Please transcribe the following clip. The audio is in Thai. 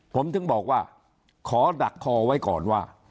ผมถึงบอกว่าขอดักคอไว้ก่อนว่า